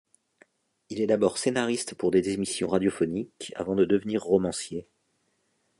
Il est d'abord scénariste pour des émissions radiophoniques avant de devenir romancier.